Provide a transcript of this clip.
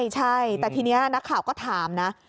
ใช่แต่ทีนี้นักข่าวก็ถามนะ